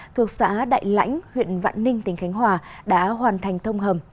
thuộc xã đại lãnh huyện vạn ninh tỉnh khánh hòa đã hoàn thành thông hầm